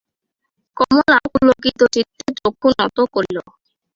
কমলা পুলকিতচিত্তে চক্ষু নত করিল।